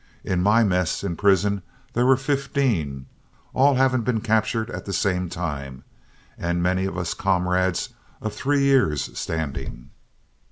In my mess in prison there were fifteen, all having been captured at the same time, and many of us comrades of three years' standing.